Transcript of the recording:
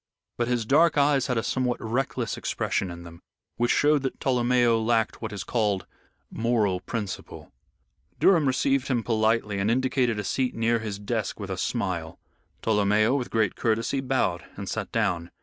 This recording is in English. But his dark eyes had a somewhat reckless expression in them, which showed that Tolomeo lacked what is called moral principle. Durham received him politely and indicated a seat near his desk with a smile. Tolomeo, with great courtesy, bowed and sat down.